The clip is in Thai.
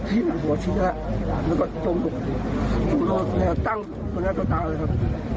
ไปแล้วมันจิดราวน่าจะเป็นราวข้างของกลับเหลือครับ